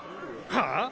はあ⁉